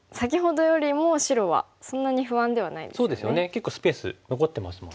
結構スペース残ってますもんね。